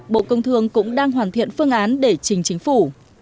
bộ công thương cũng đang hoàn thiện phương án để trình chính phủ